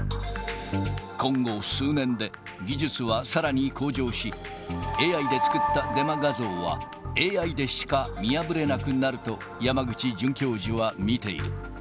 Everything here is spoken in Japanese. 今後数年で、技術はさらに向上し、ＡＩで作ったデマ画像はＡＩでしか見破れなくなると、山口准教授は見ている。